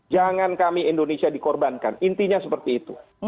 jangan kami indonesia dikorbankan intinya seperti itu